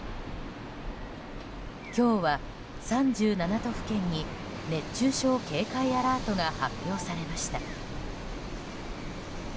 今日は、３７都府県に熱中症警戒アラートが発表されました。